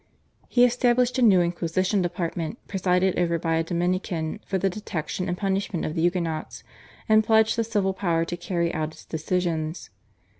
He established a new inquisition department presided over by a Dominican for the detection and punishment of the Huguenots, and pledged the civil power to carry out its decisions.